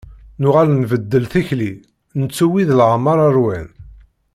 Nuɣal nbeddel tikli, nettu wid leɛmer ṛwan.